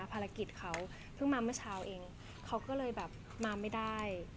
เพิ่งมาเมื่อเช้าเองเขาก็เลยมาไม่ได้